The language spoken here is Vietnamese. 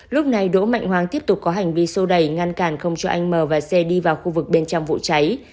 lúc này đỗ mạnh hoàng tiếp tục có hành vi sô đẩy ngăn cản không cho anh m và xe đi vào khu vực bên trong vụ cháy